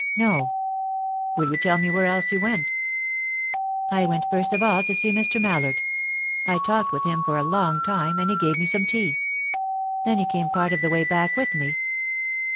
"No." "Will you tell me where else you went?" "I went first of all to see Mr. Mallard. I talked with him for a long time, and he gave me some tea. Then he came part of the way back with me.